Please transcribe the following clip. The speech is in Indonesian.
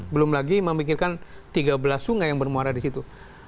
belum lagi memikirkan tiga belas sungai yang bermuara di situ